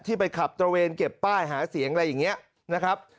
ไปขับตระเวนเก็บป้ายหาเสียงอะไรอย่างนี้นะครับ